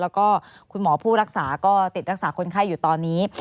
แล้วก็คุณหมอผู้รักษาก็ติดรักษาคนไข้อยู่ตอนนี้